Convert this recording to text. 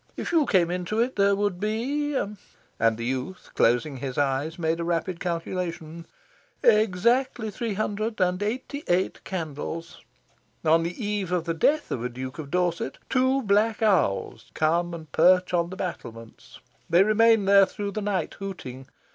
If you came into it, there would be" and the youth, closing his eyes, made a rapid calculation "exactly three hundred and eighty eight candles. On the eve of the death of a Duke of Dorset, two black owls come and perch on the battlements. They remain there through the night, hooting.